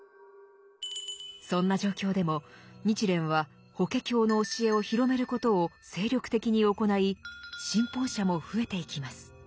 そんな状況でも日蓮は「法華経」の教えを広めることを精力的に行い信奉者も増えていきます。